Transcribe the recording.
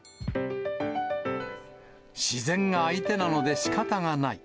自然が相手なのでしかたがない。